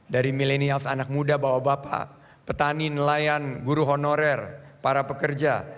dari millenials anak muda bawa bapak petani nelayan guru honorer para pekerja